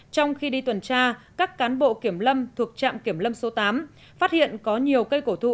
trong khi đi tuần tra các cán bộ kiểm lâm thuộc trạm kiểm lâm số tám phát hiện có nhiều cây cổ thụ